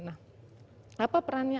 nah apa perannya